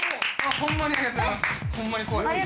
ホンマに怖い。